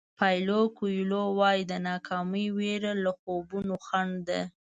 پایلو کویلو وایي د ناکامۍ وېره له خوبونو خنډ ده.